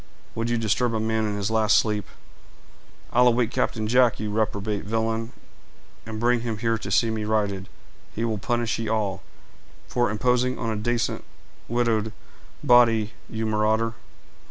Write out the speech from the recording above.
Would you disturb a man in his last sleep?" "I'll awake Captain Jack, you reprobate villain, and bring him here to see me righted; he will punish ye all, for imposing on a dacent widowed body, you marauder!"